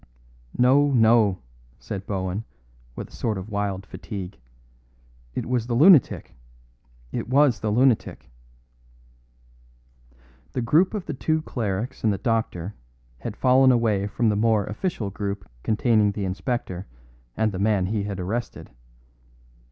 "No, no," said Bohun, with a sort of wild fatigue. "It was the lunatic. It was the lunatic." The group of the two clerics and the doctor had fallen away from the more official group containing the inspector and the man he had arrested.